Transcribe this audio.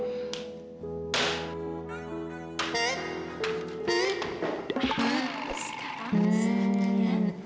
sekarang setelah itu ya